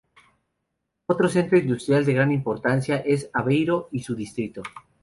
Otro centro industrial de gran importancia es Aveiro y su distrito.